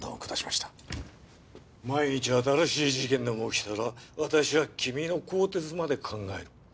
万一新しい事件でも起きたら私は君の更迭まで考える。